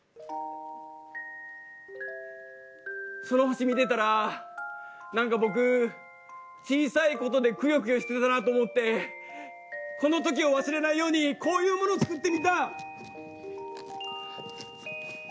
その星見てたら何か僕小さいことでくよくよしてたなと思ってこの時を忘れないようにこういうものを作ってみた。